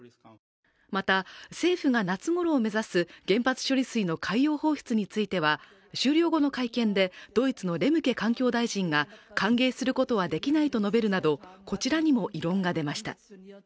また政府が夏ごろを目指す原発処理水の海洋放出については終了後の会見でドイツのレムケ環境大臣が歓迎することはできないと述べるなど、こちらにも異論が出ました。